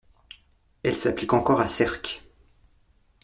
Elle s'applique encore à Sercq.